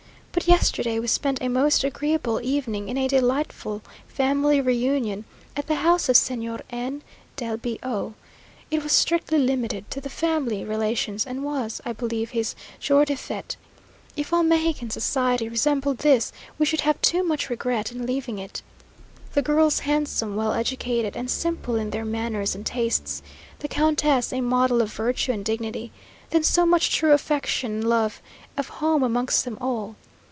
But yesterday we spent a most agreeable evening in a delightful family reunion, at the house of Señor N i del B o. It was strictly limited to the family relations, and was, I believe, his jour de fête. If all Mexican society resembled this, we should have too much regret in leaving it. The girls handsome, well educated, and simple in their manners and tastes the Countess a model of virtue and dignity. Then so much true affection and love of home amongst them all!